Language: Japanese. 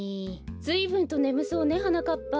ずいぶんとねむそうねはなかっぱ。